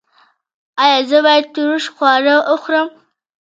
ایا زه باید ترش خواړه وخورم؟